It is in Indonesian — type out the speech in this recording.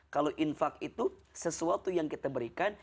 kalau infak itu sesuatu yang kita berikan